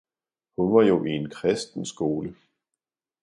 hun var jo i en kristen skole.